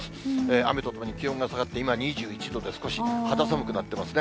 雨とともに気温が下がって今２１度で、少し肌寒くなっていますね。